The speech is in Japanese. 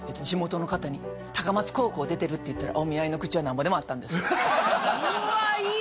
地元の方に高松高校出てるって言ったらお見合いの口はなんぼでもあった